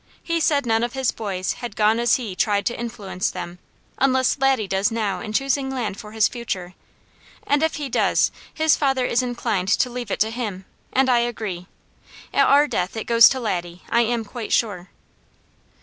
He said none of his boys had gone as he tried to influence them, unless Laddie does now in choosing land for his future, and if he does, his father is inclined to leave it to him, and I agree. At our death it goes to Laddie I am quite sure."